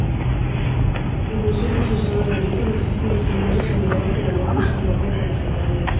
En función de su zona de origen, existen instrumentos similares elaborados con cortezas vegetales.